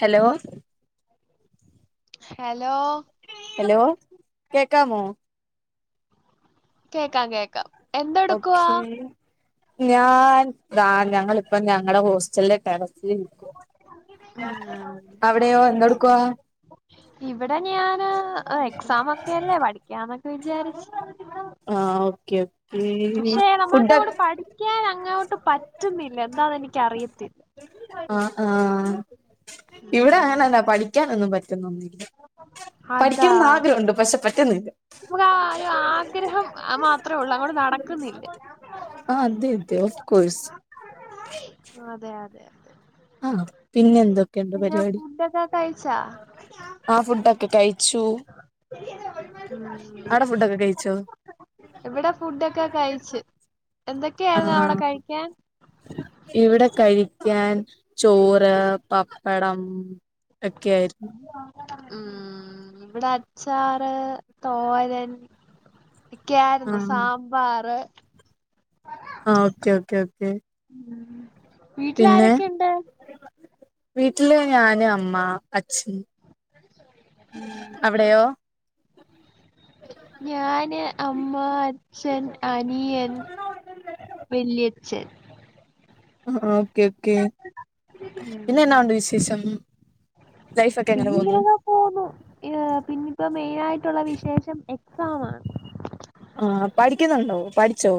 Hello hello hello കേക്കാമോ? കേക്കാം കേക്കാം! എന്തെടുക്കുവാ ഓക്കേ ഞാൻ ഞങ്ങളിപ്പ ഞങ്ങള ഹോസ്റ്റലിലെ ട്ടറസ്സിൽ ഇരിക്കുവ! ആം എന്തെടുക്കുവാ ഇവിടെ ഞാന് എക്സാം ഒക്കെഅല്ലേ പഠിക്കാന്നൊക്കെ വിചാരിച്ചു ആഹ്. ഓക്കെ ഒ പക്ഷേ നമ്മുക്ക് അവിടെ പഠിക്കാൻ അങ്ങോട്ട് പറ്റുന്നില്ല എന്താന്ന് എനിക്കഅറിയത്തില്ല ആ ആഹ ഇവിടെ അങ്ങനെന പഠിക്കാനൊന്നും പറ്റുന്നൊന്നില്ല അതാ പഠിക്കണംന്ന് ആഗ്രഹഉണ്ട്. പക്ഷെ പറ്റുന്നില്ല. നമുക്ക് അഒരു ആഗ്രഹം മാത്ര അത്രേള്ളൂ അങ്ങോട് നടക്കുന്നില്ല ആഹ് അതെ അതെ ഓഫ് കോഴ്സ് അതെ അതെതെ ആഹ് പിന്നെ എന്തൊക്കെയുണ്ട് പിന്നെ പരിപാടി ഫുഡ് കഴ്ച്ചാ ആ ഫുഡൊക്കെ കഴി [inaudible] അവിടെ ഫുഡൊക്കെ കഴിച്ചോ ഇവിടെ ഫുഡൊക്കെ കഴിച്ച്. എന്തൊക്കെ അയിരുന്നു അവിടെ ആഹ് കഴിക്കാൻ? ഇവിടെ കഴിക്കാൻ ചോറ് പപ്പടം ക്കെ ആയിരുന്നു ഉം ഇവിടെ അച്ചാറ് തോരൻ ഒക്കൊയിരുന്നു ആഹ് സാമ്പാർ ആ ഓക്കേ ഓക്കേ ഓക്കേ ഉം പിന്നെ വീട്ടില് ഞാന് അമ്മ അച്ഛൻ ഉം അവിടെയോ? ഞാന് അമ്മ അച്ഛൻ അനിയൻ വല്യ ശരി ആഹ ഓക്കെ ഓക്കെ പിന്നെന്നാ ഉണ്ട് വിശേഷം ലൈഫ് ഒക്കെ എങ്ങനെ പോവുന്നു പൊന്നു ന് പിന്നപ്പോ മെയിനായിട്ടുള്ള വിശേഷം എക്സാമാണ് ആ പഠിക്കുന്നുണ്ടോ? പഠിച്ചോ?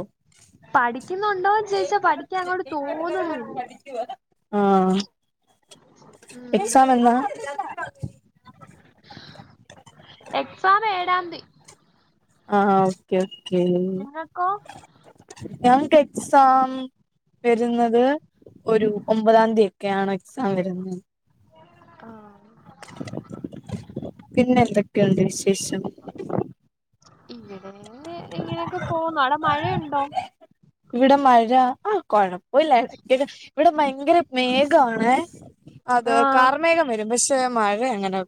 പഠിക്കുന്നുണ്ടോന്ന് ചോദിച്ചാ പഠിക്കാൻ അങ്ങോട്ട് തോന്നുന്നില്ല ആഹ്. എക്സാമെന്നാ? എക്സാം ഏഴാന്തി. ആഹ് ആ ഓക്കെ ക്കേ. നിങ്ങക്കോ ഞങ്ങക്ക് എക്സാം, വരുന്നത്, ഒരു ഒമ്പതാം തീയതി ഒക്കെയാണ് എക്സാം വരുന്നത്. ആഹ് പിന്നെ എന്തൊക്കെയുണ്ട് വിശേഷം? ഇവിടെ ഇങ്ങനെയൊക്കെ പോന്ന് ആട മഴയുണ്ടോ ഇവിടെ മഴ, ആഹ് കുഴപുലാ ഇടക്കൊക്കെ ഇവിടെ ഭയങ്കര മേഘാണേ, അതെ ആഹ് കാർമേഘം വരും. പക്ഷെ മഴ അങ്ങനെ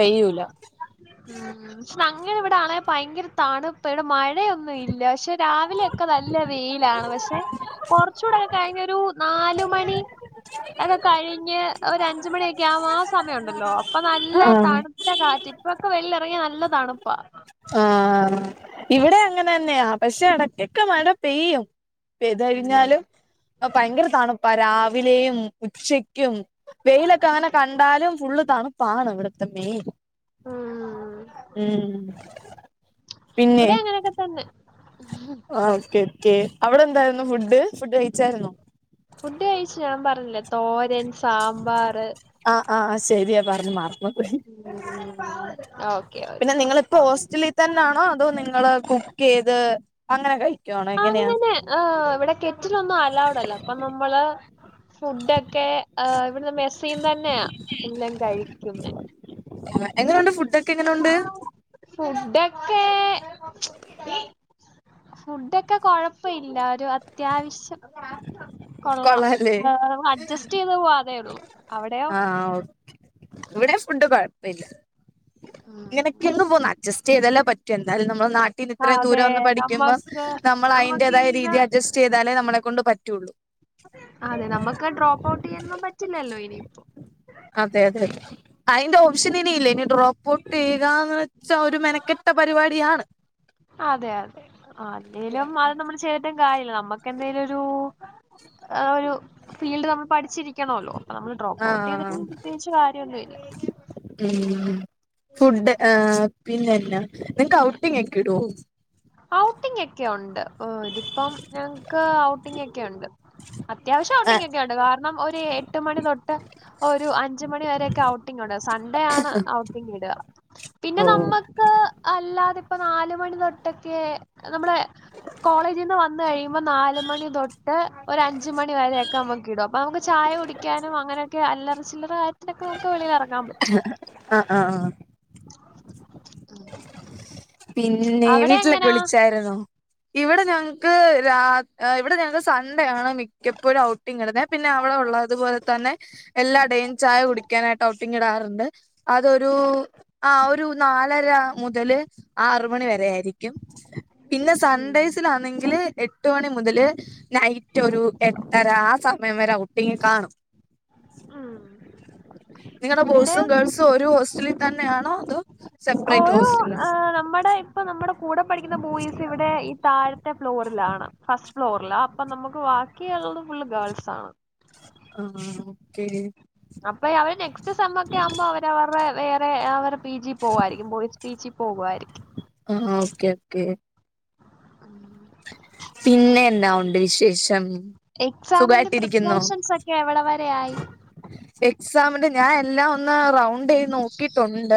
പെയ്യൂല. ഉം ഞങ്ങടെ ഇവിടാണെ ഭയങ്കര തണുപ്പ്. ഇവിടെ മഴയൊന്നും ഇല്ല. ഷേ രാവിലെയൊക്കെ നല്ല വെയിലാണ്. പക്ഷെ കുറച്ചുകൂടൊക്കെ കഴിഞ്ഞൊരു, നാലുമണി, ഒക്കെ കഴിഞ്ഞ് ഒരഞ്ച് മണിയൊക്കെ ആകുമ്പം ആ സമയമുണ്ടല്ലോ, ഇപ്പ നല്ല ആഹ് തണുത്ത കാറ്റ്. ഇപ്പൊക്കെ വെളീൽ ഇറങ്ങിയാ നല്ല തണുപ്പാ. ആഹ് ഇവിടെ അങ്ങനെ തന്നെയാ. പക്ഷെ ഇടക്കൊക്കെ മഴ പെയ്യും. പെയ്ത് കഴിഞ്ഞാല് ഭയങ്കര തണുപ്പാ രാവിലെയും ഉച്ചക്കും, വെയിലൊക്കെ അങ്ങനെ കണ്ടാലും ഫുള്ള് തണു താണ് ഇവിടത്തെ മേയിൻ. ഉം ഉം ഇവിടെ അങ്ങനെയൊക്കെ തന്നെ ആഹ് ഓക്കെ ക്കെ. അവിടെ എന്തായിരുന്നു ഫുഡ്. ഫുഡ് കഴിച്ചായിരുന്നോ? ഫുഡ് കഴിച്ചു. ഞാൻ പറഞ്ഞില്ലേ തോരൻ സാമ്പാറ്. ആഹ് ആഹ് ശരിയാ പറഞ്ഞു മറ ഉം. ഓക്കെ പിന്നെ ഓക്കെ. നിങ്ങളിപ്പോ ഹോസ്റ്റലിൽ തന്നാണോ, അതോ നിങ്ങള് കുക്ക് ചെയ്ത് അങ്ങനെ കഴിക്കുവാണോ? എങ്ങനെയാ, അങ്ങനെ ആഹ് ഇവിടെ കെറ്റിലൊന്നും അലൗഡ് അല്ല. അപ്പൊ നമ്മള്, ഫുഡ് ഒക്കെ ആഹ് ഇവിടുന്ന് മെസ്സീന്ന് തന്നെയാ എല്ലാം കഴിക്കുന്നെ. എങ്ങനെയുണ്ട് ഫുഡ് ഒക്കെ എങ്ങനെയുണ്ട് ഫുഡൊക്കെ, ഫുഡൊക്കെ കൊഴപ്പം ഇല്ല ഒരു അത്യാവശ്യം കൊള്ളാം കൊള്ളാല്ലേ മ അഡ്ജസ്റ്റ് ചെയ്ത് പോവാന്നെ ഉള്ളു. അവിടെയോ? ആഹ് ഓക്കെ ഇവിടെയും ഫുഡ് കൊഴപ്പില്ല ഉം, ഇങ്ങനെ ഉം. [unintelligible] അഡ്ജസ്റ്റ് ചെയതല്ലേ പറ്റൂ എന്തായാലും നമ്മടെ നാ പിന്നെ ഇത്രയും അതെ ദൂരം വന്ന് പഠിക്കുമ്പം, നമ്മക്ക് നമ്മള് നമ്മക്ക് അയിന്റേതായ ഇനി ഇത് രീതി അഡ്ജസ്റ്റ് ചെയ്താലേ നമ്മളെ കൊണ്ട് പറ്റുള്ളൂ. ആന്നെ നമുക്ക് ഡ്രോപ്പ് ഔട്ട് ചെയ്യാനൊന്നും പറ്റില്ലല്ലോ ഇനിയിപ്പോ. അതെ അതെ അതെ അയിന്റെ ഓപ്ഷൻ ഇനിയില്ലേ ഇനി ഡ്രോപ്പ് ട്ട്‌ ചെയ്യാന്ന് വെച്ചാ ഒരു മെനക്കെട്ട പരിപാടിയാണ് അതെ അതെ. അല്ലേലും അത് നമ്മള് ചെയ്തിട്ടും കാര്യമില്ല. നമ്മുക്ക് എന്തെലും ഒരു ആഹ് ഒരു ഫീൽഡ് നമ്മൾ പഠിച്ചിരി ക്കണല്ലോ. അപ്പൊ നമ്മള് ഡ്രോപ്പ് ഔട്ട് ചെയ്തിട്ട് ആഹ് പ്രത്യേകിച്ച് കാര്യമൊന്നുമില്ല. ഉം ഫുഡ്. ആ പിന്നെന്നാ നിങ്ങക്ക് ഔട്ടിങ് ഒക്കെ ഇടുവോ? ഔട്ടിംഗ് ഒക്കെ ഉണ്ട് ഇതിപ്പം ഞങ്ങക്ക് ഔട്ടിംഗ് ഒക്കെ ഉണ്ട് അത്യാവശ്യം ആ ഔട്ടിങ്ങ് ഒക്കെയുണ്ട് കാരണം ഒരു എട്ട് മണി തൊട്ട് ഒരു അഞ്ച് മണി വരൊക്കെ ഔട്ടിംങ് ഇണ്ട് സൺഡേ ആണ് ഔട്ടിംങ് വിടുക പിന്നെ ഓ നമ്മക്ക് അല്ലാതെ ഇപ്പോ നാലുമണി തൊട്ടൊക്കെ, നമ്മള് കോളേജിൽ നിന്ന് വന്ന് കഴിയുമ്പോൾ നാലുമണി തൊ ട്ട് ഒരു അഞ്ച് മണി വരെയൊക്കെ നമ്മുക്ക് ഇടും. അപ്പൊ നമുക്ക് ചായ കുടിക്കാനും, അങ്ങനെയൊക്കെ അല്ലറ ചില്ലറ [unintelligible] വെളീൽ ഇറ ആഹ് ആഹ് ആ. [inaudible] പിന്നെ അവിടെ വീട്ടിലൊക്കെ എങ്ങനാ? വിളിച്ചായിരുന്നോ? ഇവിടെ ഞങ്ങക്ക് രാ ഇവിടെ ഞങ്ങക്ക് സൺഡേ ആണ് മിക്കപ്പോഴും ഔട്ടിംഗ് ഇടുന്നേ. പിന്നെ അവിടെ ഉള്ളതുപോലെ തന്നെ എല്ലാ ഡേയും ചായ കുടിക്കാനായിട്ട് ഔ പിന്നിടാറുണ്ട് അതൊരു ആ ഒരു നാലര മുതല് ആറ് മണി വരെ ആയിരിക്കും പിന്നെ ഉം സൺഡൈസിലാണെങ്കില് എട്ട് എട്ട് മണി മുതല് നൈറ്റ് ഒരു എട്ടര ആഹ് സമയം വരെ ഔട്ടിങ്ങ് കാണും ഉം നിങ്ങടെ ബോയ്സും ഇവിടെയും ഗേൾസും ഒരു ഹോസ്റ്റലിൽ തന്നെയാണോ എന്ധോ സെപ്പരെറ്റ് ഹോസ്റ്റലിലോ അ നമ്മടെ ഇപ്പ നമ്മുടെ കൂടെ പഠിക്കുന്ന ബോയ്സ് ഇവിടെ ഈ താഴത്തെ ഫ്ലോറിലാണ് ഫസ്റ്റ് ഫ്ലോറിലാഅപ്പൊ നമുക്ക് വാക്കിയുള്ളത് ഫുള് ഗേൾസ് ആണ് ആഹ ഓക്കെ അപ്പൊ അവര് നെക്സ്റ്റ് സമ്മ് ഒക്കെ ആവുമ്പോ അവര് അവര്ടെ വേറെ അവരെ പി ജി പോവായിരിക്കും ബോയ്ച് പി ജി പോകുായിരിക്കും ആഹ ഓക്കെ ഓക്കെ പിന്നെ എന്താ ഉണ്ട് വിശേഷം എക്സാമിന്റെ സുഖായിട്ടിരിക്കുന്നോ പ്രിപറേഷൻസ് ഒക്കെ എവിടംവരെയായി എക്സാമിന്റെ ഞാൻ എല്ലാം ഒന്ന് റൗണ്ട് ണ്ട്നോക്കിയിട്ടുണ്ട്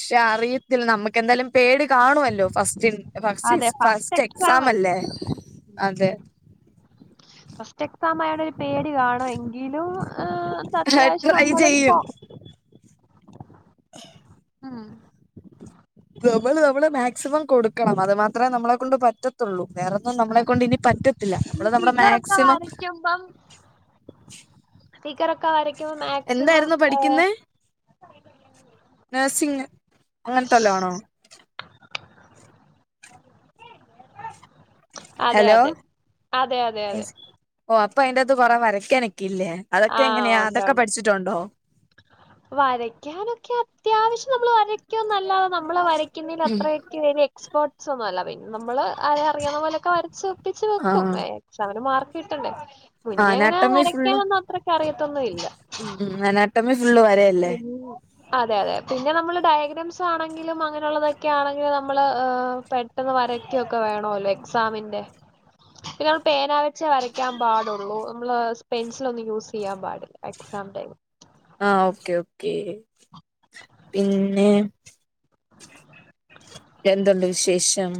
ക്ഷെ അറിയത്തില്ല നമുക്കെന്തായാലും പേട് കാണുമല്ലോ ഫസ്റ്റ് ഫസ് ഫസ്റ്റ് എക്സാം അല്ലേ അതെ [inaudible] ഫസ്റ്റ് എക്സാം ആയോണ്ട് ഒരു പേടി കാണുംഎങ്കിലും ഉം അത്യാവശ്യം ട്രൈ നമ്മളെട്ത ചെയ്യും [unintelligible] ആം നമ്മള്അവിടെ മാക്സിമം കൊടുക്കണം അത് മാത്രമേ നമ്മളെ കൊണ്ട് പറ്റത്തുള്ളൂ വേറെ ഒന്നും നമ്മളെ ആഹ് കൊണ്ട് ഇനി പറ്റത്തില്ല നമ്മള് നമ്മുടെ മാക്സിമം തീക്കറക്കെ ആരാക്കെ മാക്സിമം എന്തായിരുന്നു ഹ നഴ്സിങ് അങ്ങനെത്തെവല്ല ആണോ അതെ ഹെലോ അതെ അതെ അതെ അതെ എസ് ഓഹ് അപ്പൊ അയിൻറ്റകത്ത് കൊറ വരക്കാനൊക്കെല്ലേ അതൊക്കെ എങ്ങനെയാ അതൊക്കെ പഠിച്ചിട്ടുണ്ടോ വരക്കാനൊക്കെ അത്യാവശ്യം നമ്മൾ വരക്കോന്നല്ലാത നമ്മളെ വരയ്ക്കുന്നതിൽ ഉം അത്ര ക്ക് വെരി എക്സ്പർസ് ഒന്നും അല്ല പിന്നെ നമ്മള് അരെ അറിയുന്ന പോലെക്കെ വരച്ച് ഒപ്പിച്ച് വെക്കും ആഹ് എക്സാമിന് മാർക്ക് കിട്ടണ്ടേ മുന്നേ ങ്ങനെ അനാട്ടമി ഫുള്ള് വരയ്ക്കാനൊന്നും അത്രക്ക്അറിയത്തൊന്നും ഇല്ല ഉം ട്ടമേ ഫുള് വരെ പിന്നെ അതെ അതെ പിന്നെ നമ്മള് ഡയഗ്രാംസ് ആണെങ്കിലും അങ്ങനെയുള്ളതൊക്കെ ആണെങ്കിലിൽ നമ്മള് പെ പെട്ടെന്ന് വരക്കൊക്കെ വേണോല്ലോ എക്സാമിന്റെ ഉ പിന്നെ നമ്മള് പേന വച്ചേ വരയ്ക്കാൻ പാടുള്ളൂ മ്മ്ള്സ് പെൻസില്ഒന്നും യൂസിയ്യാൻ പാടില്ല എക്സാം ടൈമ് ആഹ ഓക്കെ ഓക്കേ പിന്നെ എന്തുണ്ട് വിശേഷം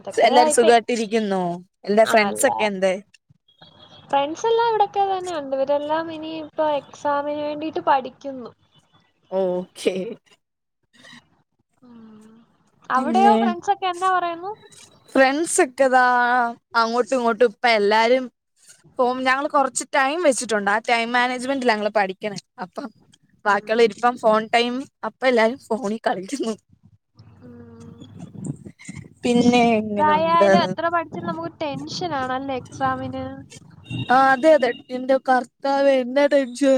ഇതൊക്കെ എല്ലാരും ഇപ്പ സുഖട്ടിരിക്കുന്നു എന്റെറെ ആഹ് ഫ്രണ്ട്സ അല്ല ഒക്കെ യെന്ദ് ഫ്രണ്ട്സ് എല്ലാം ഇവിടൊക്കെ തന്നെ ഉണ്ട് ഇവരെല്ലാം ഇനി ഇപ്പോ എക്സാമിന് വേണ്ടിട്ട് പഠിക്കുന്നു ഉം ശരി [unintelligible] പിന്നെ ഫ്രണ്ട്സൊക്കെ എന്നാ പറയുന്നു? ഫ്രണ്ട്സ് ഒക്കെതാ അങ്ങോട്ടും ഇങ്ങോട്ടും ഇപ്പ എല്ലാരും ഫോംഞങ്ങള് കൊറച്ച് ടൈം വെച്ചിട്ടുണ്ട് ആഹ് ടൈം മാനേജ്മെന്റിലാങ്ങള് പഠിക്കണേ അപ്പം ഉം ബാക്കിയുള്ള ഇരിപ്പം ഫോൺ ടൈം അപ്പൊ എല്ലാരും ഫോണിൽ കളിക്കുന്നു ഉം [inaudible] പിന്നെ എങ്ങനുണ്ട് എന്തായാലും എത്ര പഠിച്ചാലും നമുക്ക് ടെൻഷൻ ആണല്ലേ എക്സാമിന് ആഹ് അതെ അതെ എന്റെ കർത്താവ് എന്താ ടെൻഷനാ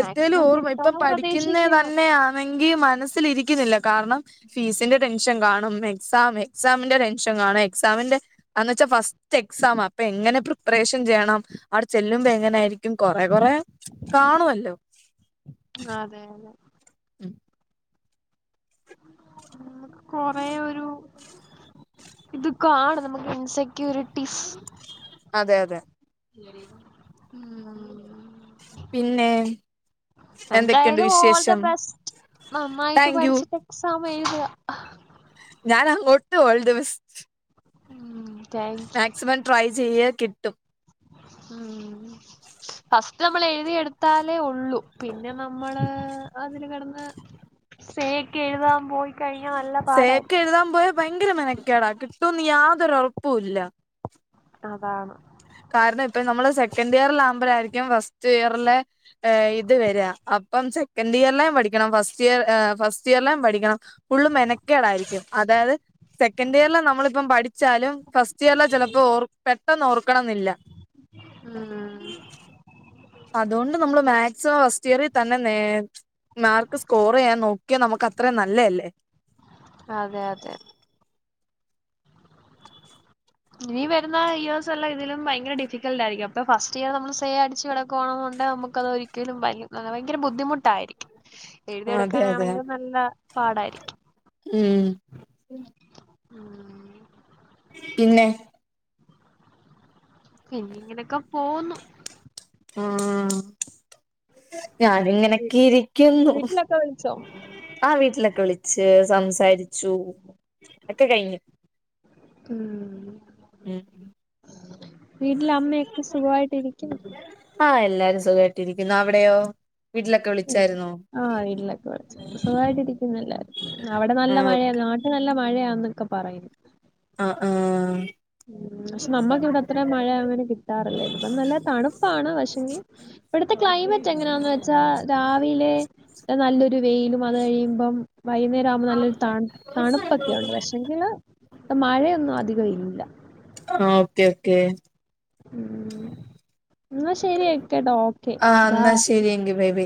എത്തിലും ഓർമ്മ ഇപ്പം കിട്ടുമെന്ന് പഠിക്കുന്ന പ്രതീക്ഷിക്കുന്നു. തന്നെയാണെങ്കി മനസ്സിലിരിക്കുന്നില്ല കാരണം ഫീസിന്റെ ടെൻഷൻ കാണും എക്സാം എക്സാന്റെ ടെൻഷൻ കാണും എക്സാമിന്റെ ആന്ന് വെച്ചാൽ ഫസ്റ്റ് എക്സാമ അപ്പൊ എങ്ങനെ പ്രിപ്പറേഷൻ ചെയ്യണം അവിടെ ചെല്ലുമ്പോ എങ്ങനെ ആയിരിക്കും കൊറെ കൊറെ കാണുവല്ലോ അതെ അതെ ഉം ഉം കൊറേ ഒരു ഇതൊക്കാണ് നമുക്ക് ഇൻസെക്യൂരിറ്റീസ് അതെ അതെ ഉം പിന്നെ എന്തൊക്കെയുണ്ട് എന്തായാലും ഓൾ ദ വിശേഷം ബെസ്റ്റ് നന്നായിട്ട് താങ്ക് യു പഠിച്ചിട്ട് എക്സാം എഴുത്ക ഞാനങ്ങോട്ടു ഓൾ ദ ബെസ്റ്റ് ഉം താങ്ക് മാക്സിമം ട്രൈ ചെയ്യ് കിട്ടും ഉം നമ്മൾ എഴുതിയ എടുത്താലേ ഉള്ളൂ പിന്നെ നമ്മള് അതിൽ കിടന്ന് സേക്ക് എഴുതാൻ പോയി കഴിഞ്ഞാൽ നല്ല സേക്കെ പാടായിരിക്കും എഴുതാൻ പോയ ഭയങ്കര മെനക്കേടാ കിട്ടുമന്ന് യാതൊരു ഉറപ്പുംല്ല അതാണ് കാരണം ഇപ്പ നമ്മള് സെക്കൻ് ഇയറൽ ആകുമ്പോഴായിരിക്കും ഫസ്റ്റ് ഇയറിലെ ഇത് വരാ അപ്പം സെക്കൻഡ് ഇയർലും പഠിക്കണം ഫസ്റ്റ് ഇയർ ഫസ്റ്റ് ഇയർലും പഠിക്കണം ഫുള്ള് മെനക്കേടായിയിരിക്കും അതായത് സെക്കൻഡ് ഇയറൽ നമ്മളിപ്പം പഠി വച്ചാലും ഫസ്റ്റ് ഇയർലെ ചിലപ്പോ ഓർ പെട്ടെന്ന് ഓർക്കണംന്നില്ല ഉം അതുകൊണ്ട് നമ്മള് മാക്സിമം ഫസ്റ്റ് ഇയറിൽ തന്നെ നേ മാർക്ക് സ്കോർ ചെയ്യാൻ നോക്കിയാ നമുക്ക് അത്രയും നല്ലതല്ലേ അതെ അതെ ഇനി വരുന്ന ഇയേഴ്സ് എല്ലാം ഇതിലും ഭയങ്കര ഡിഫിക്കൾട്ടായിരിക്കുംപ്പൊ ഫസ്റ്റ് ഇയർ നമ്മള് സേ അടിച് കിടക്കുവാണെന്നുണ്ടേ നമുക്ക് നമുക്ക് അത് ഒരിക്കലും വ ഭയങ്കര ബുദ്ധിമുട്ടായിരിക്കും ആഹ് അതെ അതെ എഴുതിയെടുക്കാനാണെങ്കിലും നല്ല പാടായിരിക്കും ഉം ഉം പിന്നെ പിന്നെ ഇങ്ങനെയൊക്കെ പോന്നു ആഹ് ഞാൻ ഇങ്ങനൊക്കെ ഇരിക്കുന്നു വീട്ടിലൊക്കെ വിളിച്ചോ ആഹ് വീട്ടിലൊക്കെ വിളിച് സംസാരിച്ചു ഒക്കെ കഴിഞ്ഞു ഉം ഉം വീട്ടില് അമ്മയൊക്കെ സുഖായിട്ടിരിക്കുന്നു ആഹ് എല്ലാരും സുഖമായിട്ടി ഇരിക്കുന്നു അവിടെയോ വീട്ടിലൊക്കെ അങ്ങനെ വിളിച്ചായിരുന്നോ ആഹ് വീട്ടിലൊക്കെ വിളിച്ചു സുഖമായിട്ട് ഇരിക്കുന്നെല്ലാരും അവിടെ ആ നല്ല ഓക്കെ മഴയാണ് നാട്ടിൽ നല്ല മഴയാന്നൊക്കെ പറയുന്നു ആഹ് ആഹ് ഉ പക്ഷെ നമ്മുക്ക് വിടെ അത്രയും മഴ അങ്ങനെ കിട്ടാറില്ലേ ഇട നല്ല തണുപ്പാണ് പക്ഷെ ങ്കി ഇവിടുത്തെ ക്ലൈമറ്റ് എങ്ങനെയാന്ന് വെച്ചാ രാവിലെ നല്ലൊരു വെയിലും അത് കഴിയുമ്പം വൈകുന്നേര വുമ്പോ നല്ലൊരു തണ തണുപ്പൊക്കെ ഉണ്ട് പക്ഷെങ്കില് മഴയൊന്നും അധികം ഇല്ല ആഹ് ഓക്കെ ഓക്കെ ഉം എന്ന ശരിയാക്കട്ടോ ഓക്കെ ആ എന്നാ ബായി ശരി എങ്കി ബൈ ബൈ